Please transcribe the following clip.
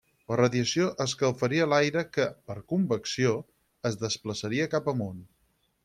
La radiació escalfaria l'aire que, per convecció, es desplaçaria cap amunt.